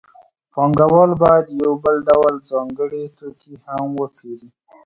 پانګوال باید یو بل ډول ځانګړی توکی هم وپېري